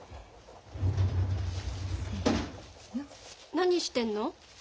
何してんの？